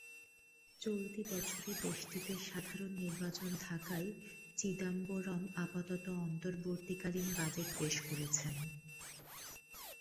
চলতি বছরে দেশটিতে সাধারণ নির্বাচন থাকায় চিদাম্বরম আপাতত অন্তর্বর্তীকালীন বাজেট পেশ করেছেন।